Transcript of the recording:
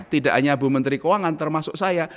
tidak hanya bu menteri keuangan termasuk saya